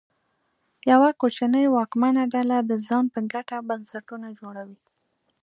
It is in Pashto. یوه کوچنۍ واکمنه ډله د ځان په ګټه بنسټونه جوړوي.